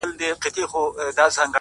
چي د خندا خبري پټي ساتي _